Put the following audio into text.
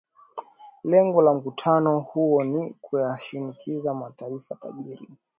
lengo la mkutano huo ni kuyashinikiza mataifa tajiri